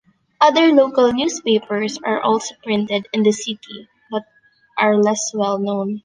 Other local newspapers are also printed in the city, but are less well known.